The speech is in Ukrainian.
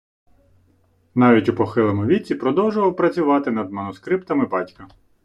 Навіть у похилому віці продовжував працювати над манускриптами батька.